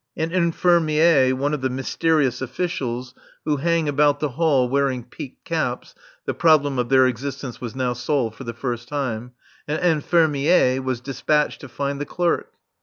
An infirmier (one of the mysterious officials who hang about the hall wearing peaked caps; the problem of their existence was now solved for the first time) an infirmier was despatched to find the clerk.